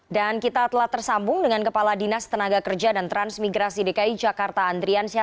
dan kita telah tersambung dengan kepala dinas tenaga kerja dan transmigrasi dki jakarta andrian syah